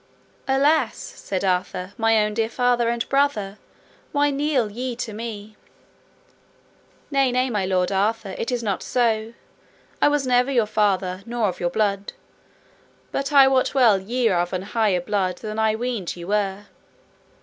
Alas, said Arthur, my own dear father and brother, why kneel ye to me? Nay, nay, my lord Arthur, it is not so; I was never your father nor of your blood, but I wot well ye are of an higher blood than I weened ye were.